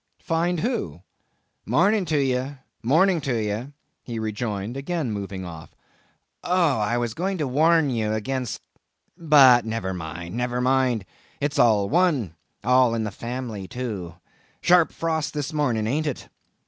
"Find who?" "Morning to ye! morning to ye!" he rejoined, again moving off. "Oh! I was going to warn ye against—but never mind, never mind—it's all one, all in the family too;—sharp frost this morning, ain't it?